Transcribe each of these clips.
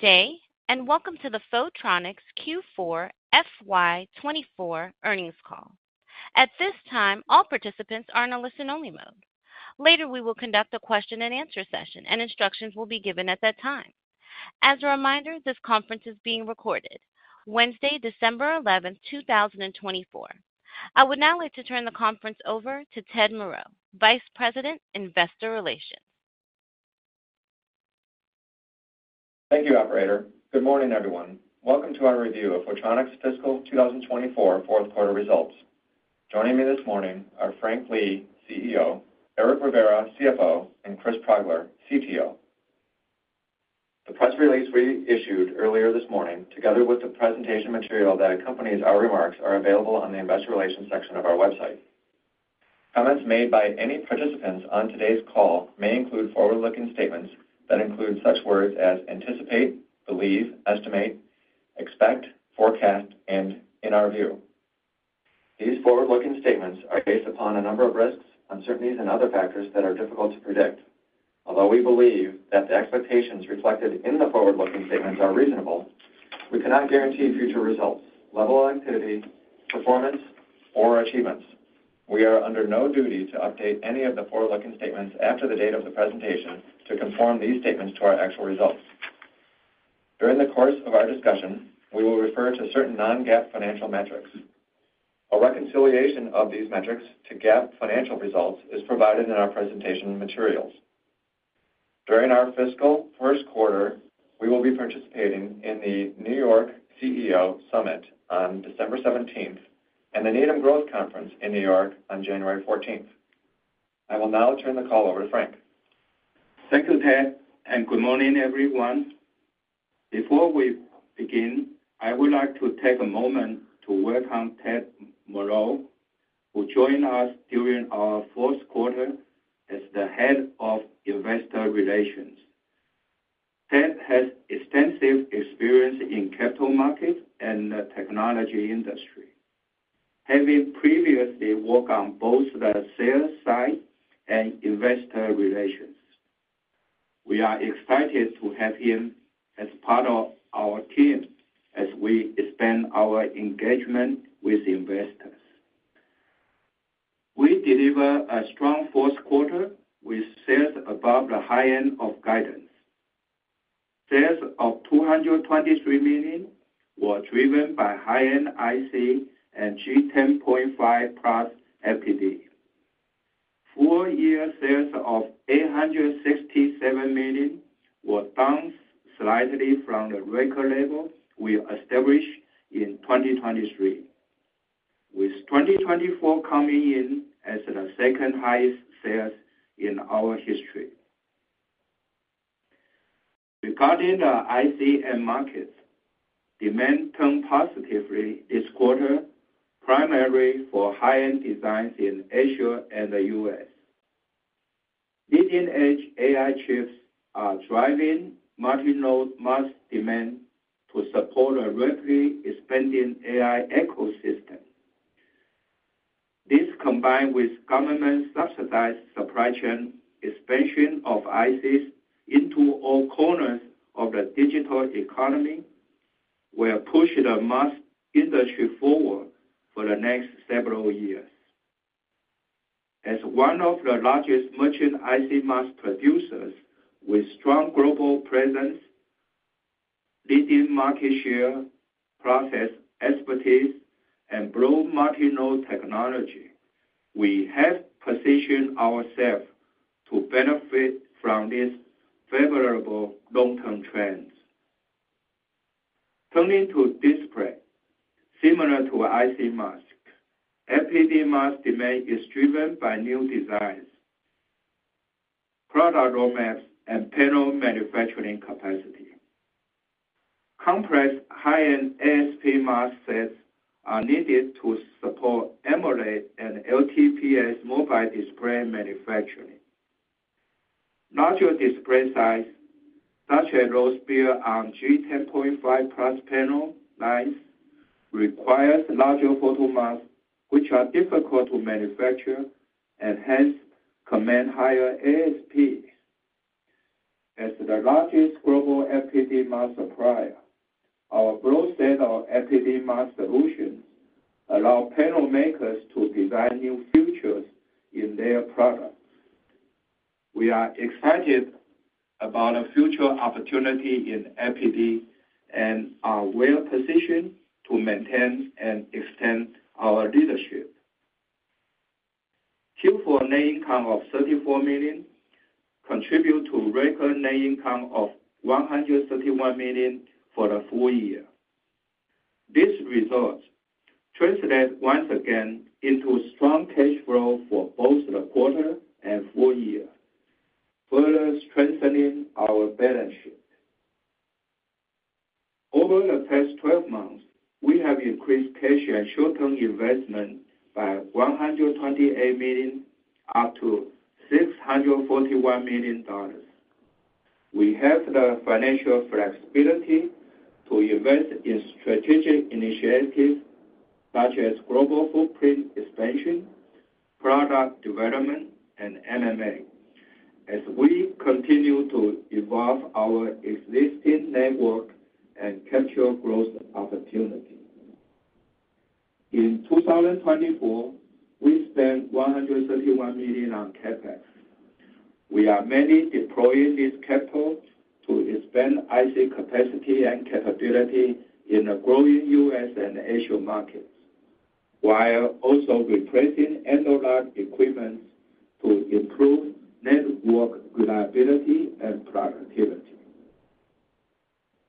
Good day, and welcome to the Photronics Q4 FY24 Earnings Call. At this time, all participants are in a listen-only mode. Later, we will conduct a question-and-answer session, and instructions will be given at that time. As a reminder, this conference is being recorded. Wednesday, December 11th, 2024. I would now like to turn the conference over to Ted Moreau, Vice President, Investor Relations. Thank you, Operator. Good morning, everyone. Welcome to our review of Photronics Fiscal 2024 Fourth Quarter Results. Joining me this morning are Frank Lee, CEO, Eric Rivera, CFO, and Chris Progler, CTO. The press release we issued earlier this morning, together with the presentation material that accompanies our remarks, is available on the Investor Relations section of our website. Comments made by any participants on today's call may include forward-looking statements that include such words as anticipate, believe, estimate, expect, forecast, and in our view. These forward-looking statements are based upon a number of risks, uncertainties, and other factors that are difficult to predict. Although we believe that the expectations reflected in the forward-looking statements are reasonable, we cannot guarantee future results, level of activity, performance, or achievements. We are under no duty to update any of the forward-looking statements after the date of the presentation to conform these statements to our actual results. During the course of our discussion, we will refer to certain non-GAAP financial metrics. A reconciliation of these metrics to GAAP financial results is provided in our presentation materials. During our fiscal first quarter, we will be participating in the New York CEO Summit on December 17th and the Needham Growth Conference in New York on January 14th. I will now turn the call over to Frank. Thank you, Ted, and good morning, everyone. Before we begin, I would like to take a moment to welcome Ted Moreau, who joined us during our fourth quarter as the Head of Investor Relations. Ted has extensive experience in the capital markets and the technology industry, having previously worked on both the sell-side and investor relations. We are excited to have him as part of our team as we expand our engagement with investors. We delivered a strong fourth quarter with sales above the high end of guidance. Sales of $223 million were driven by high-end IC and G10.5+ FPD. Full-year sales of $867 million were down slightly from the record level we established in 2023, with 2024 coming in as the second highest sales in our history. Regarding the IC end markets, demand turned positively this quarter, primarily for high-end designs in Asia and the U.S. Leading-edge AI chips are driving multinode mask demand to support a rapidly expanding AI ecosystem. This, combined with government-subsidized supply chain expansion of ICs into all corners of the digital economy, will push the mask industry forward for the next several years. As one of the largest merchant IC mask producers, with a strong global presence, leading market share, process expertise, and broad multinode technology, we have positioned ourselves to benefit from these favorable long-term trends. Turning to Display, similar to IC mask, FPD mask demand is driven by new designs, product roadmaps, and panel manufacturing capacity. Complex high-end ASP mask sets are needed to support AMOLED and LTPS mobile display manufacturing. Larger display sizes, such as those built on G10.5+ panel lines, require larger photomask, which are difficult to manufacture and hence command higher ASPs. As the largest global FPD mask supplier, our broad set of FPD mask solutions allows panel makers to design new features in their products. We are excited about a future opportunity in FPD and are well-positioned to maintain and extend our leadership. Q4 net income of $34 million contributed to a record net income of $131 million for the full year. These results translate once again into strong cash flow for both the quarter and full year, further strengthening our balance sheet. Over the past 12 months, we have increased cash and short-term investment by $128 million, up to $641 million. We have the financial flexibility to invest in strategic initiatives such as global footprint expansion, product development, and M&A, as we continue to evolve our existing network and capture growth opportunities. In 2024, we spent $131 million on CapEx. We are mainly deploying this capital to expand IC capacity and capability in the growing U.S. and Asia markets, while also replacing analog equipment to improve network reliability and productivity.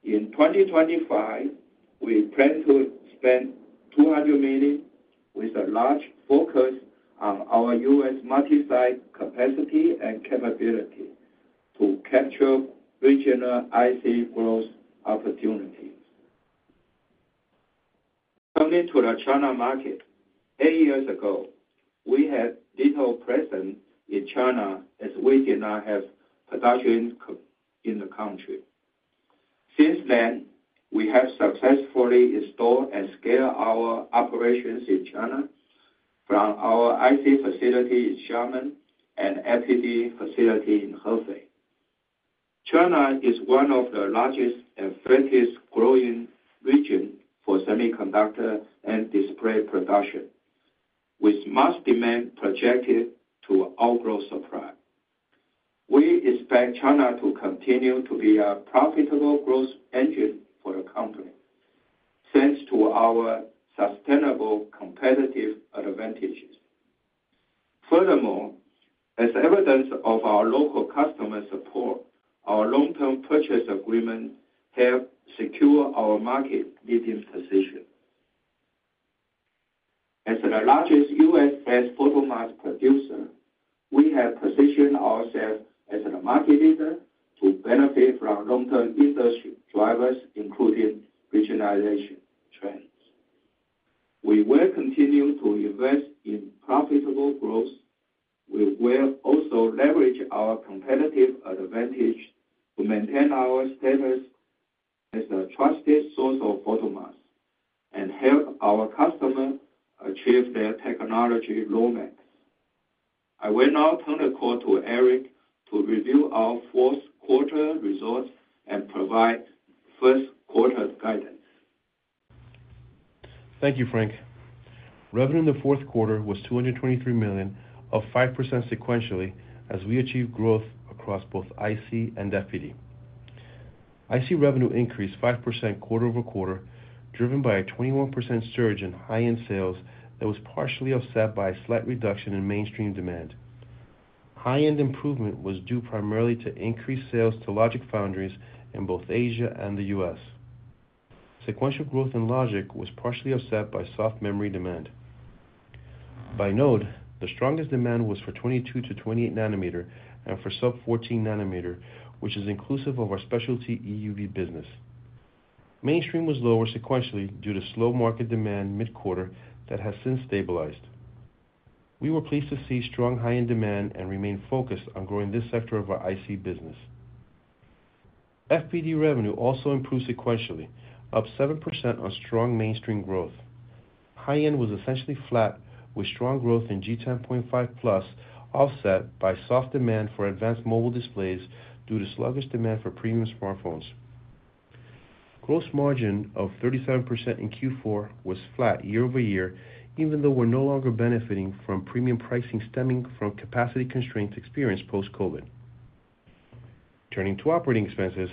In 2025, we plan to spend $200 million, with a large focus on our U.S. multi-site capacity and capability to capture regional IC growth opportunities. Turning to the China market, eight years ago, we had little presence in China as we did not have production in the country. Since then, we have successfully installed and scaled our operations in China from our IC facility in Xiamen and FPD facility in Hefei. China is one of the largest and fastest-growing regions for semiconductor and display production, with mask demand projected to outgrow supply. We expect China to continue to be a profitable growth engine for the company thanks to our sustainable competitive advantages. Furthermore, as evidence of our local customer support, our long-term purchase agreements have secured our market-leading position. As the largest U.S. photomask producer, we have positioned ourselves as a market leader to benefit from long-term industry drivers, including regionalization trends. We will continue to invest in profitable growth. We will also leverage our competitive advantage to maintain our status as a trusted source of photomasks and help our customers achieve their technology roadmaps. I will now turn the call to Eric to review our fourth quarter results and provide first quarter guidance. Thank you, Frank. Revenue in the fourth quarter was $223 million, up 5% sequentially as we achieved growth across both IC and FPD. IC revenue increased 5% quarter-over-quarter, driven by a 21% surge in high-end sales that was partially offset by a slight reduction in mainstream demand. High-end improvement was due primarily to increased sales to logic foundries in both Asia and the U.S. Sequential growth in logic was partially offset by soft memory demand. To note, the strongest demand was for 22 to 28 nanometers and for sub-14 nanometers, which is inclusive of our specialty EUV business. Mainstream was lower sequentially due to slow market demand mid-quarter that has since stabilized. We were pleased to see strong high-end demand and remain focused on growing this sector of our IC business. FPD revenue also improved sequentially, up 7% on strong mainstream growth. High-end was essentially flat, with strong growth in G10.5 plus offset by soft demand for advanced mobile displays due to sluggish demand for premium smartphones. Gross margin of 37% in Q4 was flat year-over-year, even though we're no longer benefiting from premium pricing stemming from capacity constraints experienced post-COVID. Turning to operating expenses,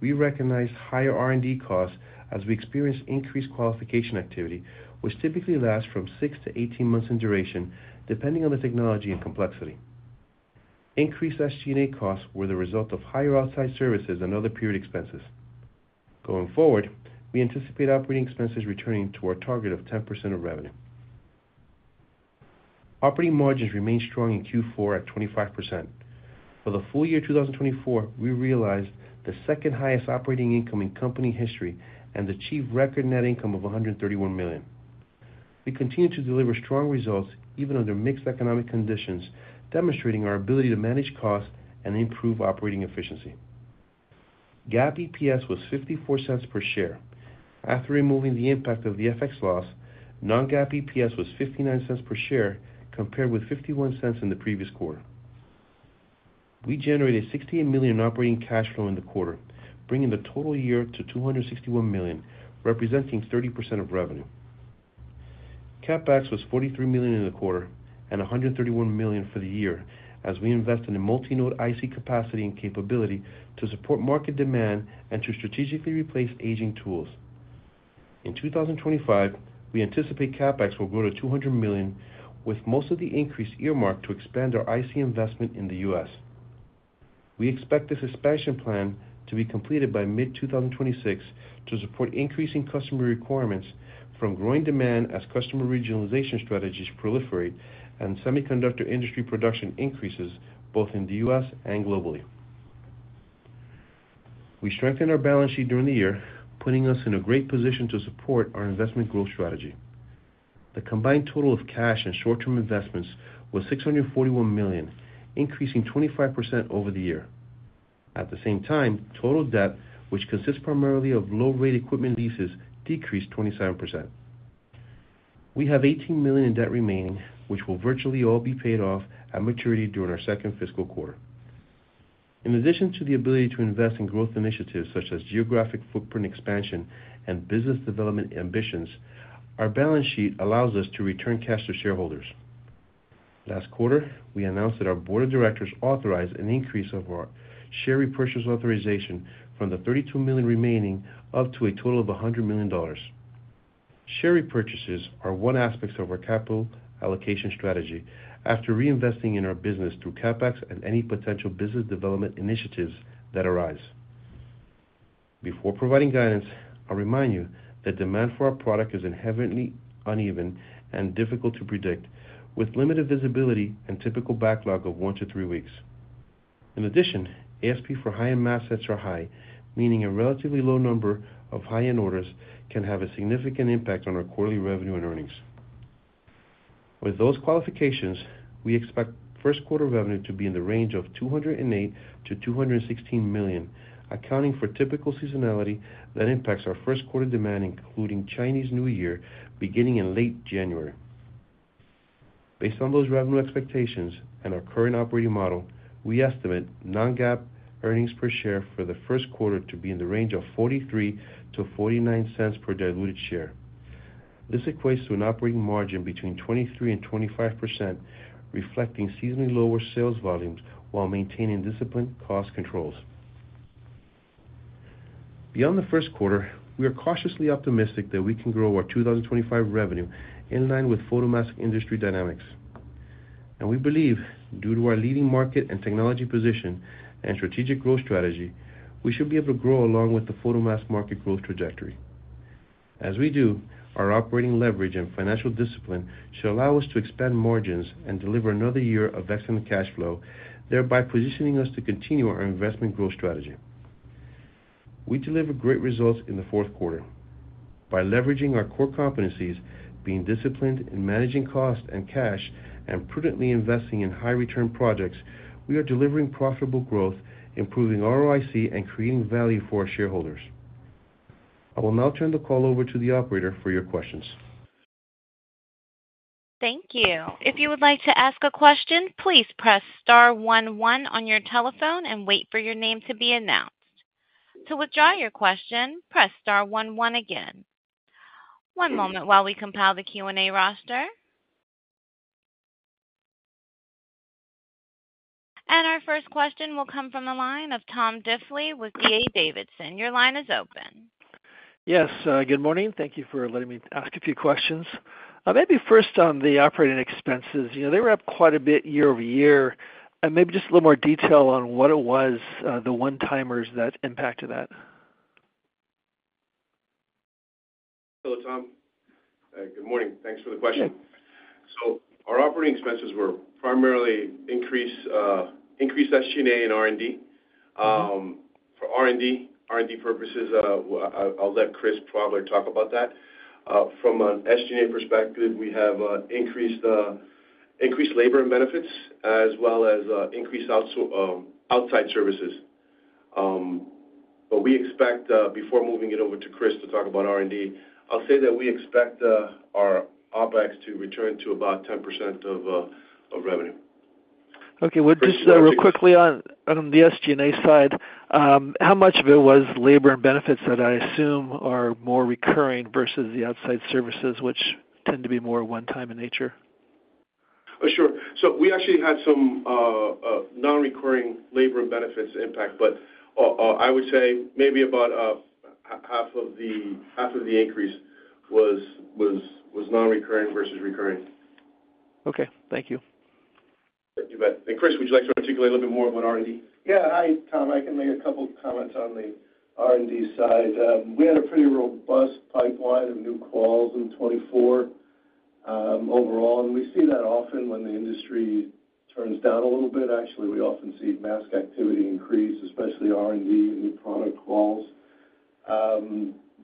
we recognized higher R&D costs as we experienced increased qualification activity, which typically lasts from six to 18 months in duration, depending on the technology and complexity. Increased SG&A costs were the result of higher outside services and other period expenses. Going forward, we anticipate operating expenses returning to our target of 10% of revenue. Operating margins remained strong in Q4 at 25%. For the full year 2024, we realized the second highest operating income in company history and achieved record net income of $131 million. We continue to deliver strong results even under mixed economic conditions, demonstrating our ability to manage costs and improve operating efficiency. GAAP EPS was $0.54 per share. After removing the impact of the FX loss, non-GAAP EPS was $0.59 per share compared with $0.51 in the previous quarter. We generated $68 million in operating cash flow in the quarter, bringing the total year to $261 million, representing 30% of revenue. CapEx was $43 million in the quarter and $131 million for the year as we invest in a multinode IC capacity and capability to support market demand and to strategically replace aging tools. In 2025, we anticipate CapEx will grow to $200 million, with most of the increase earmarked to expand our IC investment in the U.S. We expect this expansion plan to be completed by mid-2026 to support increasing customer requirements from growing demand as customer regionalization strategies proliferate and semiconductor industry production increases both in the U.S. and globally. We strengthened our balance sheet during the year, putting us in a great position to support our investment growth strategy. The combined total of cash and short-term investments was $641 million, increasing 25% over the year. At the same time, total debt, which consists primarily of low-rated equipment leases, decreased 27%. We have $18 million in debt remaining, which will virtually all be paid off at maturity during our second fiscal quarter. In addition to the ability to invest in growth initiatives such as geographic footprint expansion and business development ambitions, our balance sheet allows us to return cash to shareholders. Last quarter, we announced that our board of directors authorized an increase of our share repurchase authorization from the $32 million remaining up to a total of $100 million. Share repurchases are one aspect of our capital allocation strategy after reinvesting in our business through CapEx and any potential business development initiatives that arise. Before providing guidance, I'll remind you that demand for our product is inherently uneven and difficult to predict, with limited visibility and typical backlog of one to three weeks. In addition, ASP for high-end mask sets are high, meaning a relatively low number of high-end orders can have a significant impact on our quarterly revenue and earnings. With those qualifications, we expect first quarter revenue to be in the range of $208-$216 million, accounting for typical seasonality that impacts our first quarter demand, including Chinese New Year beginning in late January. Based on those revenue expectations and our current operating model, we estimate non-GAAP earnings per share for the first quarter to be in the range of $0.43-$0.49 per diluted share. This equates to an operating margin between 23% and 25%, reflecting seasonally lower sales volumes while maintaining disciplined cost controls. Beyond the first quarter, we are cautiously optimistic that we can grow our 2025 revenue in line with photomask industry dynamics, and we believe, due to our leading market and technology position and strategic growth strategy, we should be able to grow along with the photomask market growth trajectory. As we do, our operating leverage and financial discipline should allow us to expand margins and deliver another year of excellent cash flow, thereby positioning us to continue our investment growth strategy. We delivered great results in the fourth quarter. By leveraging our core competencies, being disciplined in managing costs and cash, and prudently investing in high-return projects, we are delivering profitable growth, improving ROIC, and creating value for our shareholders. I will now turn the call over to the operator for your questions. Thank you. If you would like to ask a question, please press star 11 on your telephone and wait for your name to be announced. To withdraw your question, press star 11 again. One moment while we compile the Q&A roster. And our first question will come from the line of Tom Diffely with D.A. Davidson. Your line is open. Yes. Good morning. Thank you for letting me ask a few questions. Maybe first on the operating expenses. They were up quite a bit year over year. Maybe just a little more detail on what it was, the one-timers that impacted that. Hello, Tom. Good morning. Thanks for the question. So our operating expenses were primarily increased SG&A and R&D. For R&D purposes, I'll let Chris Progler talk about that. From an SG&A perspective, we have increased labor and benefits as well as increased outside services. But, before moving it over to Chris to talk about R&D, I'll say that we expect our OpEx to return to about 10% of revenue. Okay. Just real quickly on the SG&A side, how much of it was labor and benefits that I assume are more recurring versus the outside services, which tend to be more one-time in nature? Sure. So we actually had some non-recurring labor and benefits impact, but I would say maybe about half of the increase was non-recurring versus recurring. Okay. Thank you. You bet. And Chris, would you like to articulate a little bit more about R&D? Yeah. Hi, Tom. I can make a couple of comments on the R&D side. We had a pretty robust pipeline of new calls in 2024 overall, and we see that often when the industry turns down a little bit. Actually, we often see mask activity increase, especially R&D and new product calls.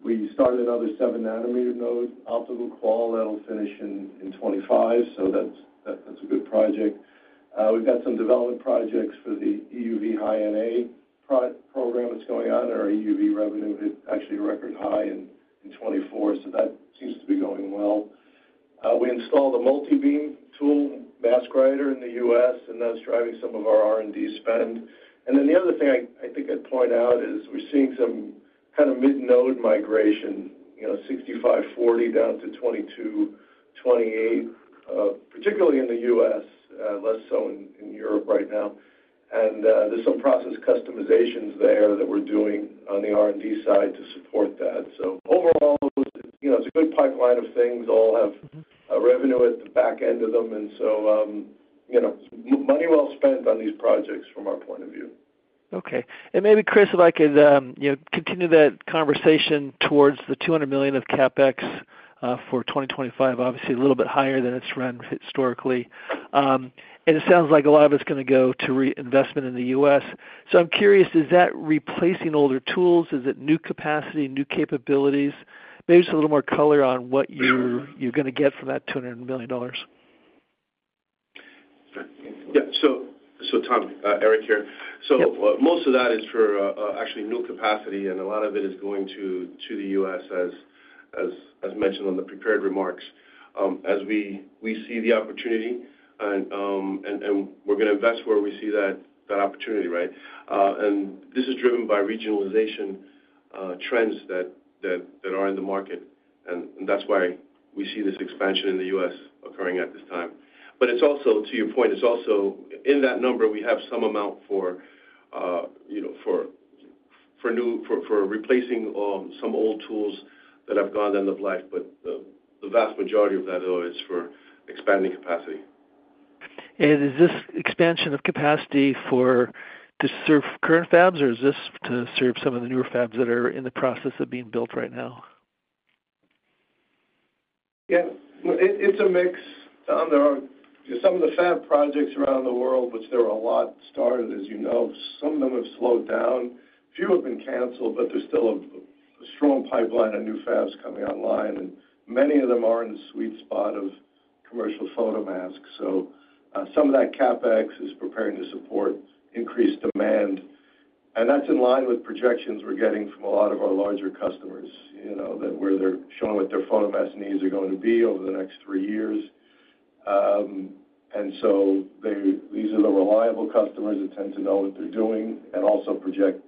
We started another 7-nanometer node, optical qual that'll finish in 2025, so that's a good project. We've got some development projects for the EUV High NA program that's going on. Our EUV revenue hit actually a record high in 2024, so that seems to be going well. We installed a multi-beam tool, mask writer, in the U.S., and that's driving some of our R&D spend. And then the other thing I think I'd point out is we're seeing some kind of mid-node migration, 65/40 down to 22/28, particularly in the U.S., less so in Europe right now. There's some process customizations there that we're doing on the R&D side to support that. Overall, it's a good pipeline of things. All have revenue at the back end of them, and so money well spent on these projects from our point of view. Okay. And maybe, Chris, if I could continue that conversation towards the $200 million of CapEx for 2025, obviously a little bit higher than it's run historically. And it sounds like a lot of it's going to go to reinvestment in the U.S. So I'm curious, is that replacing older tools? Is it new capacity, new capabilities? Maybe just a little more color on what you're going to get from that $200 million? Yeah, so Tom, Eric here. So most of that is for actually new capacity, and a lot of it is going to the U.S., as mentioned on the prepared remarks. As we see the opportunity, and we're going to invest where we see that opportunity, right? And this is driven by regionalization trends that are in the market, and that's why we see this expansion in the U.S. occurring at this time. But to your point, in that number, we have some amount for replacing some old tools that have gone to end of life, but the vast majority of that, though, is for expanding capacity. Is this expansion of capacity to serve current fabs, or is this to serve some of the newer fabs that are in the process of being built right now? Yeah. It's a mix. Some of the fab projects around the world, which there are a lot started, as you know, some of them have slowed down. Few have been canceled, but there's still a strong pipeline of new fabs coming online, and many of them are in the sweet spot of commercial photomask. So some of that CapEx is preparing to support increased demand, and that's in line with projections we're getting from a lot of our larger customers where they're showing what their photomask needs are going to be over the next three years. And so these are the reliable customers that tend to know what they're doing and also project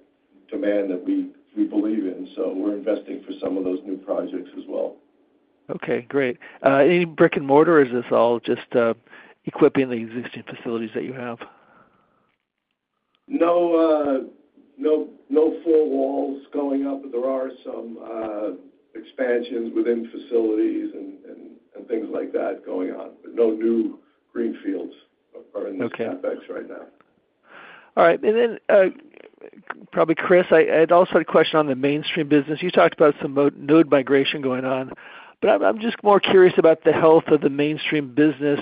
demand that we believe in. So we're investing for some of those new projects as well. Okay. Great. Any brick and mortar, or is this all just equipping the existing facilities that you have? No full walls going up, but there are some expansions within facilities and things like that going on, but no new greenfields in the CapEx right now. All right. And then probably, Chris, I'd also had a question on the mainstream business. You talked about some node migration going on, but I'm just more curious about the health of the mainstream business.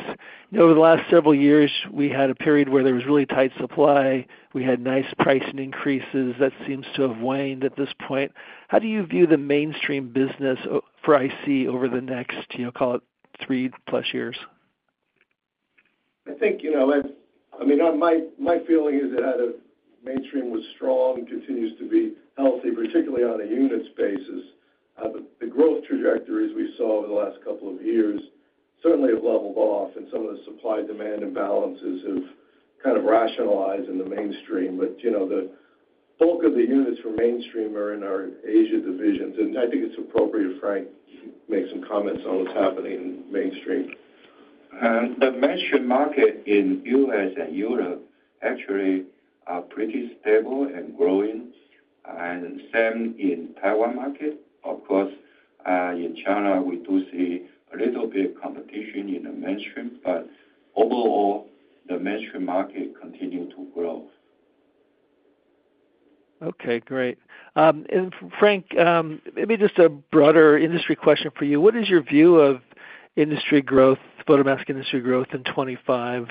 Over the last several years, we had a period where there was really tight supply. We had nice price increases. That seems to have waned at this point. How do you view the mainstream business for IC over the next, call it, three-plus years? I think, I mean, my feeling is that mainstream was strong, continues to be healthy, particularly on a unit space. The growth trajectories we saw over the last couple of years certainly have leveled off, and some of the supply-demand imbalances have kind of rationalized in the mainstream. But the bulk of the units for mainstream are in our Asia divisions, and I think it's appropriate Frank make some comments on what's happening in mainstream. The mainstream market in the U.S. and Europe actually are pretty stable and growing, and same in the Taiwan market. Of course, in China, we do see a little bit of competition in the mainstream, but overall, the mainstream market continues to grow. Okay. Great. And Frank, maybe just a broader industry question for you. What is your view of industry growth, photomask industry growth in 2025,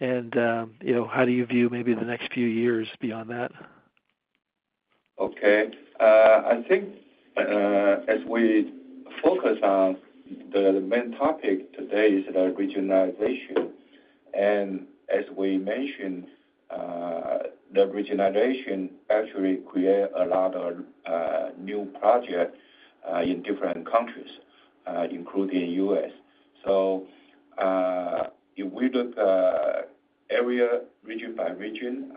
and how do you view maybe the next few years beyond that? Okay. I think as we focus on the main topic today is the regionalization. And as we mentioned, the regionalization actually created a lot of new projects in different countries, including the U.S. So if we look area region by region,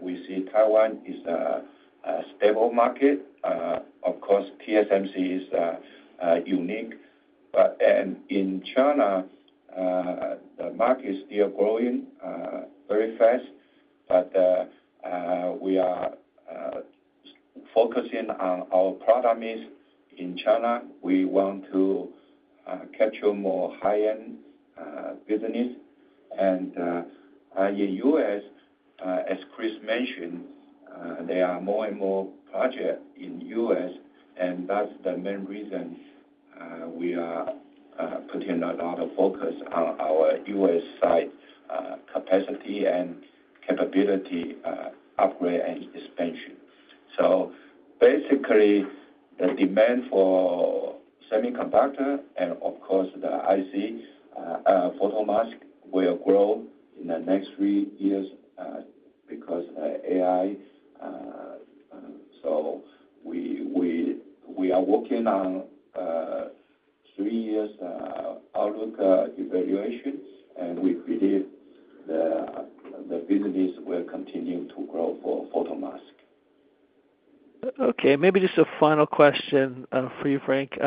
we see Taiwan is a stable market. Of course, TSMC is unique. And in China, the market is still growing very fast, but we are focusing on our product needs in China. We want to capture more high-end business. And in the U.S., as Chris mentioned, there are more and more projects in the U.S., and that's the main reason we are putting a lot of focus on our U.S.-side capacity and capability upgrade and expansion. So basically, the demand for semiconductors and, of course, the IC photomasks will grow in the next three years because of AI. So we are working on three years' outlook evaluation, and we believe the business will continue to grow for photomasks. Okay. Maybe just a final question for you, Frank.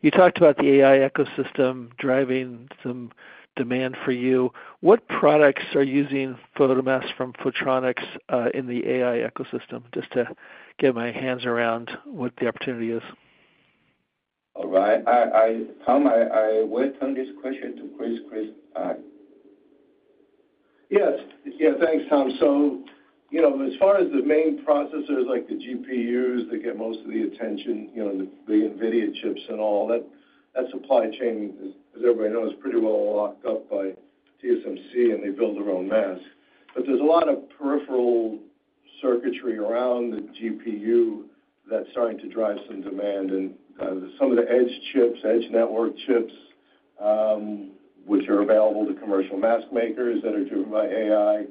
You talked about the AI ecosystem driving some demand for you. What products are using photomasks from Photronics in the AI ecosystem? Just to get my hands around what the opportunity is. All right. Tom, I will turn this question to Chris. Chris. Yes. Yeah. Thanks, Tom. So as far as the main processors like the GPUs that get most of the attention, the NVIDIA chips and all, that supply chain, as everybody knows, is pretty well locked up by TSMC, and they build their own masks. But there's a lot of peripheral circuitry around the GPU that's starting to drive some demand in some of the edge chips, edge network chips, which are available to commercial mask makers that are driven by AI.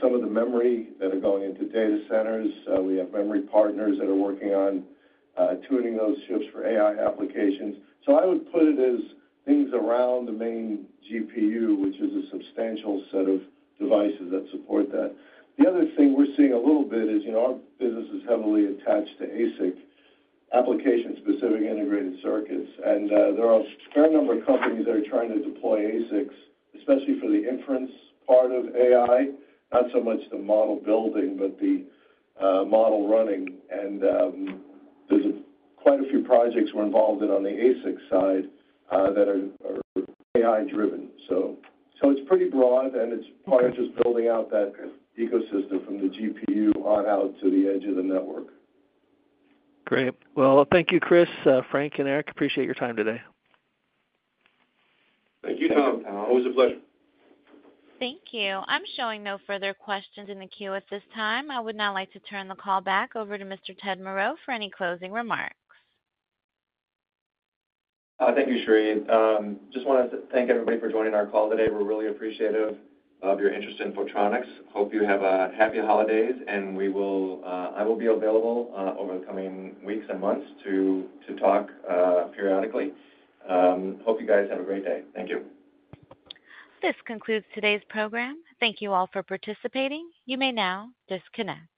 Some of the memory that are going into data centers. We have memory partners that are working on tuning those chips for AI applications. So I would put it as things around the main GPU, which is a substantial set of devices that support that. The other thing we're seeing a little bit is our business is heavily attached to ASIC, Application-Specific Integrated Circuits. There are a fair number of companies that are trying to deploy ASICs, especially for the inference part of AI, not so much the model building, but the model running. There's quite a few projects we're involved in on the ASIC side that are AI-driven. It's pretty broad, and it's part of just building out that ecosystem from the GPU on out to the edge of the network. Great. Well, thank you, Chris, Frank, and Eric. Appreciate your time today. Thank you, Tom. It was a pleasure. Thank you. I'm showing no further questions in the queue at this time. I would now like to turn the call back over to Mr. Ted Moreau for any closing remarks. Thank you, Shireen. Just wanted to thank everybody for joining our call today. We're really appreciative of your interest in Photronics. Hope you have happy holidays, and I will be available over the coming weeks and months to talk periodically. Hope you guys have a great day. Thank you. This concludes today's program. Thank you all for participating. You may now disconnect.